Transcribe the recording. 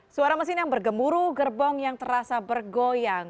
suara mesin yang bergemuruh gerbong yang terasa bergoyang